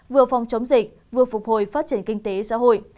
vừa phòng chống dịch vừa phục hồi phát triển kinh tế xã hội